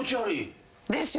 嫌でしょ？